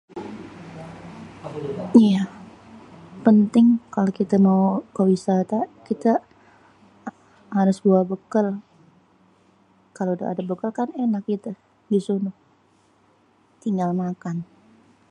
Iya penting kalo kita mau ke wisata kita harus bawa bekel. Kalo udah bawa bekel enak gitu di sono tinggal makan.